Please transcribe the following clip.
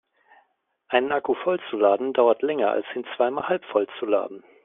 Einen Akku voll zu laden dauert länger als ihn zweimal halbvoll zu laden.